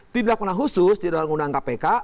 tidak pernah khusus di dalam undang kpk